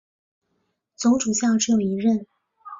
总主教只有一任。